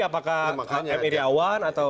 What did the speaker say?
apakah m iryawan